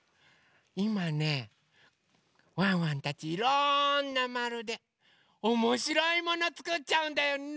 いまねワンワンたちいろんなまるでおもしろいものつくっちゃうんだよね。